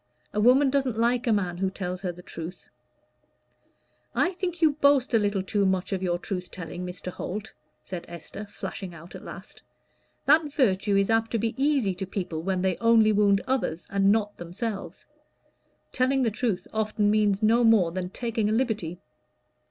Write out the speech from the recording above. A woman doesn't like a man who tells her the truth." "I think you boast a little too much of your truth telling, Mr. Holt," said Esther, flashing out at last. "That virtue is apt to be easy to people when they only wound others and not themselves. Telling the truth often means no more than taking a liberty."